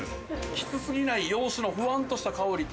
きつすぎない洋酒のふわんとした香りと。